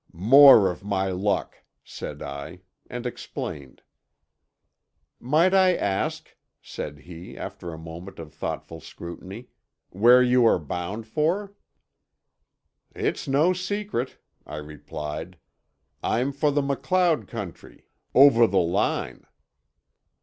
"More of my luck," said I, and explained. "Might I ask," said he, after a moment of thoughtful scrutiny, "where you are bound for?" "It's no secret," I replied. "I'm for the MacLeod country; over the line."